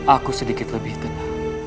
aku sedikit lebih tenang